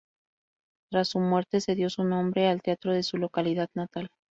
Tras su muerte, se dio su nombre al teatro de su localidad natal.